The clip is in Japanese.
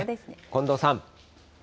近藤さん。